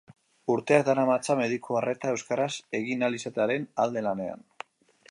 Urteak daramatza mediku arreta euskaraz egin ahal izatearen alde lanean.